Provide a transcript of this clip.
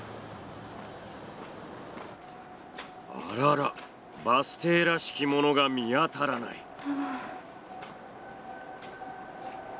あららバス停らしきものが見当たらない。